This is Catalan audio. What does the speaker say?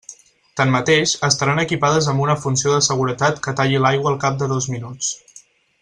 Tanmateix, estaran equipades amb una funció de seguretat que talli l'aigua al cap de dos minuts.